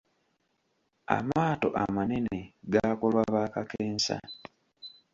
Amaato amanene gaakolwa ba kakensa.